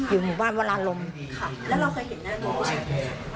อยู่หมู่บ้านวรรณรมค่ะแล้วเราเคยเห็นนั่งดู